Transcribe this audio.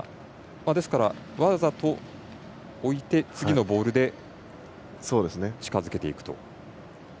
ですから、わざと置いて次のボールで近づけていくと。